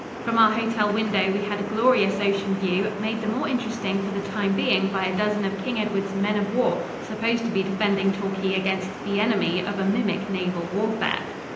From our hotel window we had a glorious ocean view, made the more interesting for the time being by a dozen of King Edward's men of war, supposed to be defending Torquay against "the enemy" of a mimic naval warfare.